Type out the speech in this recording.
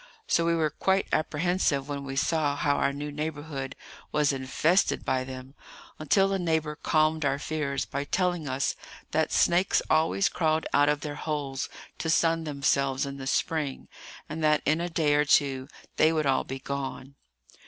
So we were quite apprehensive when we saw how our new neighbourhood was infested by them, until a neighbour calmed our fears by telling us that snakes always crawled out of their holes to sun themselves in the spring, and that in a day or two they would all be gone.